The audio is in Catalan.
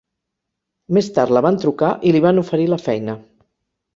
Més tard la van trucar i li van oferir la feina.